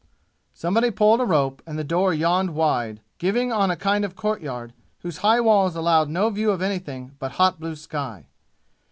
Somebody pulled a rope and the door yawned wide, giving on a kind of courtyard whose high walls allowed no view of anything but hot blue sky.